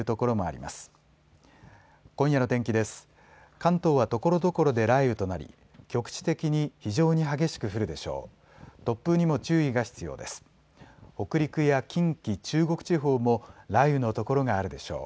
関東はところどころで雷雨となり局地的に非常に激しく降るでしょう。